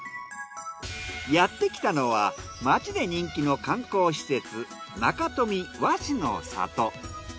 やってきたのは町で人気の観光施設なかとみ和紙の里。